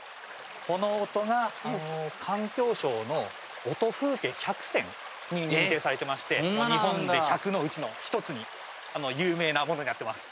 この音が環境省の音風景１００選に認定されてまして日本で１００のうちの一つに有名なものになってます